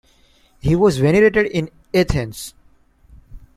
He was venerated in Athens.